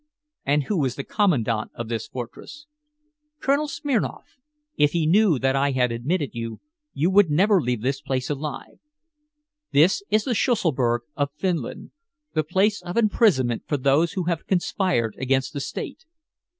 "And who is the commandant of this fortress?" "Colonel Smirnoff. If he knew that I had admitted you, you would never leave this place alive. This is the Schusselburg of Finland the place of imprisonment for those who have conspired against the State."